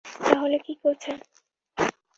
তাহলে কী করছেন?